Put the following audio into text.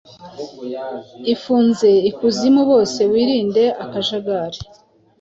ifunze ikuzimu; bose wirinde akajagari